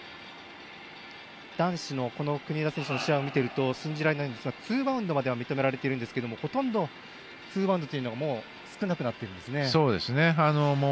男子の国枝選手の試合を見ていると信じられないんですがツーバウンドまでは認められているんですがほとんどツーバウンドというのが少なくなってきているんですよね。